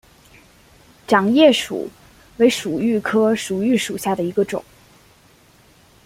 掌叶薯为薯蓣科薯蓣属下的一个种。